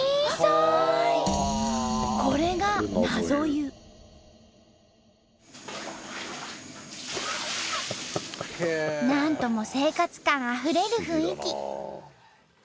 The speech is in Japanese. これがなんとも生活感あふれる雰囲気。